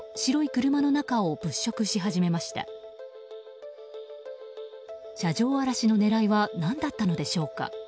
車上荒らしの狙いは何だったのでしょうか。